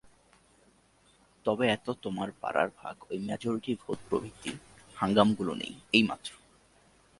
তবে এত তোমার বাড়ার ভাগ ঐ মেজরিটি ভোট প্রভৃতি হাঙ্গামগুলো নেই, এই মাত্র।